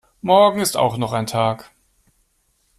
Morgen ist auch noch ein Tag.